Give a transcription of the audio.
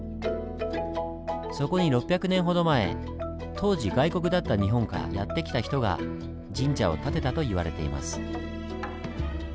そこに６００年ほど前当時外国だった日本からやって来た人が神社を建てたと言われています。